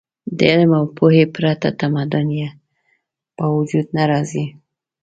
د علم او پوهې پرته تمدن په وجود نه راځي.